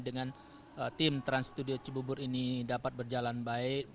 dengan tim trans studio cibubur ini dapat berjalan baik